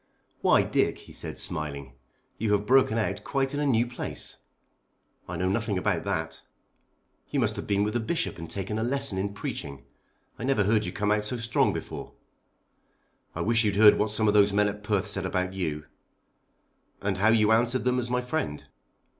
"Why, Dick," he said smiling, "you have broken out quite in a new place." "I know nothing about that." "You must have been with the Bishop and taken a lesson in preaching. I never heard you come out so strong before." "I wish you'd heard what some of those men at Perth said about you." "And how you answered them as my friend."